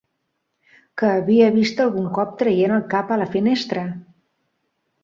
...que havia vist algun cop traient el cap a la finestra.